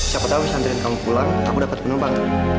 siapa tahu bisa antriin kamu pulang aku dapat penumpang